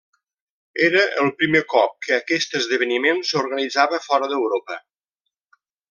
Era el primer cop que aquest esdeveniment s'organitzava fora d'Europa.